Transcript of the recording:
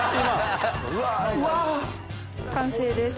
完成です。